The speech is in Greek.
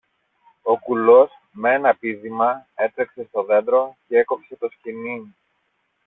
Ο κουλός μ' ένα πήδημα έτρεξε στο δέντρο κι έκοψε το σκοινί.